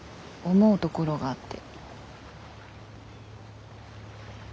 「思うところがあって」。